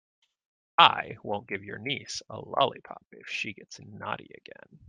I won't give your niece a lollipop if she gets naughty again.